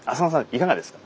いかがですか？